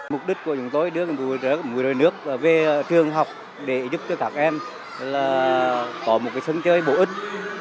mục đích của chúng tôi đưa đến người đôi nước về trường học để giúp cho các em có một sân chơi bổ ích